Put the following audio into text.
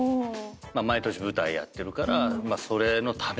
毎年舞台やってるからそれのためみたいな。